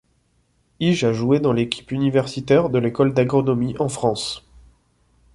Ige a joué dans l´équipe universitaire de l'École d'Agronomie en France.